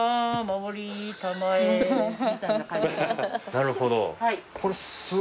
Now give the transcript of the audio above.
なるほど。